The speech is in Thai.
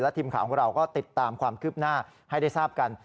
ทีมข่าวของเราก็ติดตามความคืบหน้าให้ได้ทราบกัน